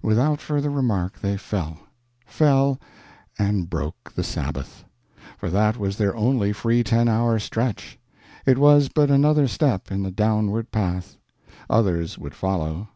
Without further remark, they fell. Fell, and broke the Sabbath. For that was their only free ten hour stretch. It was but another step in the downward path. Others would follow.